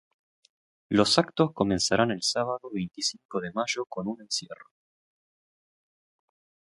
Los actos comenzarán el sábado veinticinco de mayo con un encierro.